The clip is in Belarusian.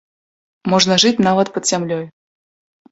Можна жыць нават пад зямлёй.